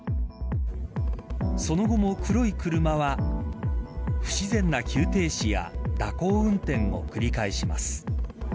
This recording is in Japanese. その後も黒い車は不自然な急停止や蛇行運転を繰り返します。